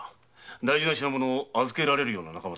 大事な物を預けられるような。